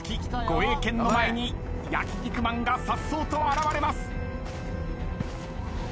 護衛犬の前に焼肉マンがさっそうと現れます。